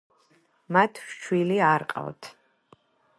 მათ შვილი არ ყავთ.